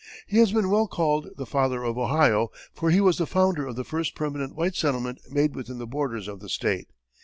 He has been well called the "Father of Ohio," for he was the founder of the first permanent white settlement made within the borders of the state.